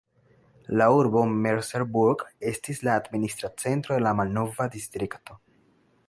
La urbo Merseburg estis la administra centro de la malnova distrikto.